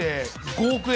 ５億円。